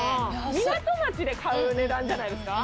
港町で買う値段じゃないですか。